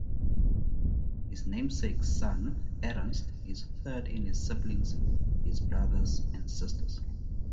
His namesake son Ernest is third in his siblings his brothers and sisters.